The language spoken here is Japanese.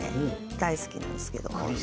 大好きなんですけど。